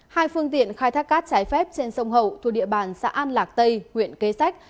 hai phương tiện khai thác cát trái phép trên sông hậu thuộc địa bàn xã an lạc tây huyện kế sách